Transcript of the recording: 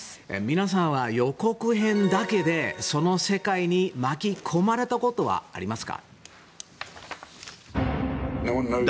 皆さんは予告編だけでその世界に巻き込まれたことはありますか。